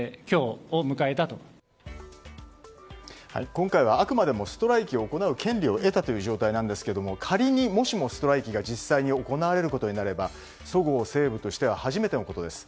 今回はあくまでもストライキを行う権利を得たという状態なんですが仮にもしも、ストライキが実際に行われることになればそごう・西武としては初めてのことです。